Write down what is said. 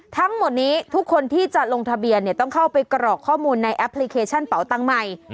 ทั้งหมดนี้ทุกคนที่จะลงทะเบียนต้องเข้าไปกรอกข้อมูลในแอปพลิเคชันเป่าตังใหม่